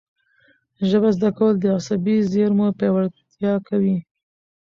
ژبه زده کول د عصبي زېرمو پیاوړتیا کوي.